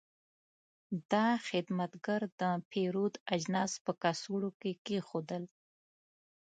دا خدمتګر د پیرود اجناس په کڅوړو کې کېښودل.